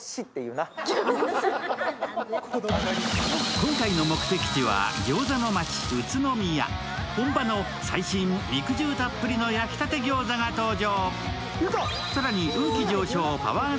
今回の目的地は餃子の街、宇都宮本場の最新肉汁たっぷりの焼きたて餃子が登場。